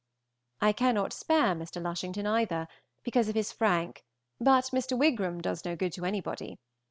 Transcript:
I cannot spare Mr. Lushington either, because of his frank, but Mr. Wigram does no good to anybody.